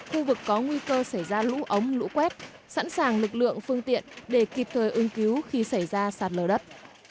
khu vực có nguy cơ xảy ra lũ ống lũ quét sẵn sàng lực lượng phương tiện để kịp thời ứng cứu khi xảy ra sạt lở đất